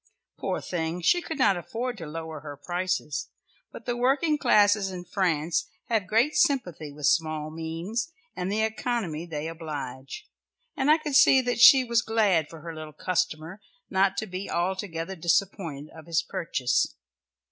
Poor thing she could not afford to lower her prices, but the working classes in France have great sympathy with small means and the economy they oblige, and I could see that she was glad for her little customer not to be altogether disappointed of his purchase.